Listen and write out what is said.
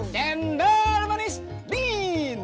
cendol manis dingin